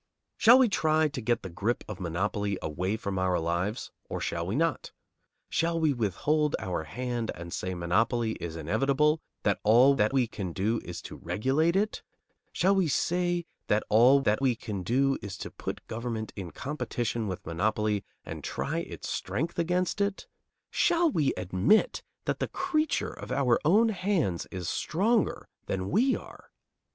Shall we try to get the grip of monopoly away from our lives, or shall we not? Shall we withhold our hand and say monopoly is inevitable, that all that we can do is to regulate it? Shall we say that all that we can do is to put government in competition with monopoly and try its strength against it? Shall we admit that the creature of our own hands is stronger than we are?